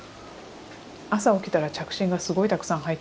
朝起きたら着信がすごいたくさん入っていて。